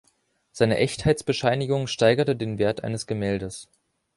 Seine Echtheitsbescheinigung steigerte den Wert eines Gemäldes.